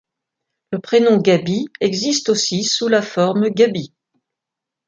Le prénom Gaby existe aussi sous la forme Gabi.